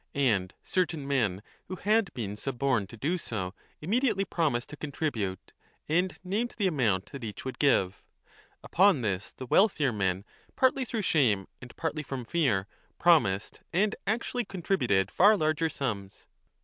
And certain men, who had been suborned to do so, immediately promised to contribute and named the amount that each would give. Upon this the wealthier men, partly 10 through shame and partly from fear, promised and actually contributed far larger sums.